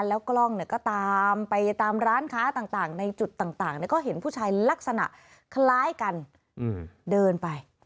แล้วกล้องก็ตามไปตามร้านค้าต่างในจุดต่างก็เห็นผู้ชายลักษณะคล้ายกันเดินไป